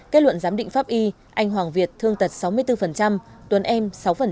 kết luận giám định pháp y anh hoàng việt thương tật sáu mươi bốn tuấn em sáu